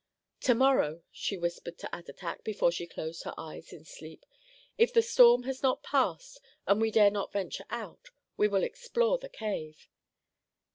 "To morrow," she whispered to Attatak before she closed her eyes in sleep, "if the storm has not passed, and we dare not venture out, we will explore the cave."